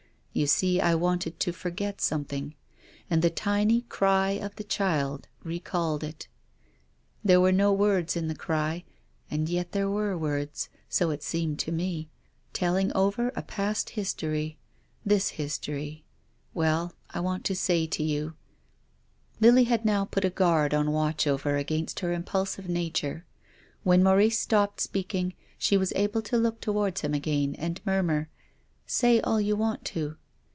You see I wanted to forget some thing. And the tiny cry of the child recalled it. There were no words in the cry, and yet there were words, — so it seemed to me — telling over a past history. This history — well, I want to say to you — Lily had now put a guard on watch over against her impulsive nature. When Maurice stopped speaking she was able to look towards him again and murmur: " Say all you want to."